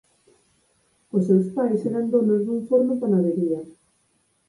Os seus pais eran donos dun forno panadería.